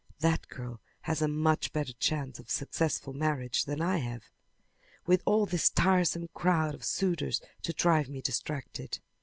"That girl has a much better chance of a successful marriage than I have, with all this tiresome crowd of suitors to drive me distracted!"